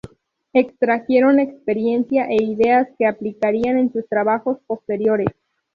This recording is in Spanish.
Extrajeron experiencia e ideas que aplicarían en sus trabajos posteriores.